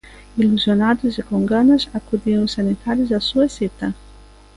Ilusionados e con ganas acudían os sanitarios á súa cita.